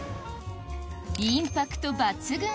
・インパクト抜群！